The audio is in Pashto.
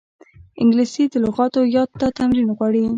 انګلیسي د لغاتو یاد ته تمرین غواړي